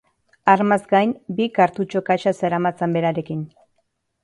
Armaz gain, bi kartutxo kaxa zeramatzan berarekin.